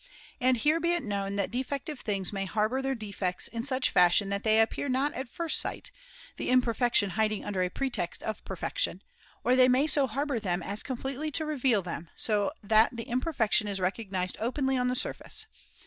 And here be it known that defective things may harbour their defects in such fashion that they appear not at first sight, the imperfection hiding under a pretext of perfection ; or they may so harbour them as completely to reveal them, so that the imper fection is recognised openly on the surface.